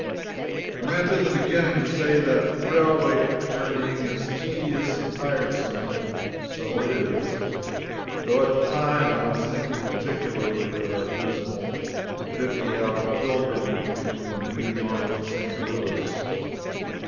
I meant in the beginning to say that railway journeying is tedious and tiresome, and so it is though at the time I was thinking particularly of a dismal fifty hour pilgrimage between New York and St. Louis.